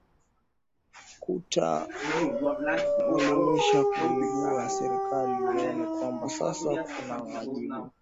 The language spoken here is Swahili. kuta mwelimisha kuiibuwa serikali ione kwamba sasa kuna wajibu